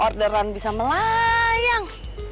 orderan bisa melayang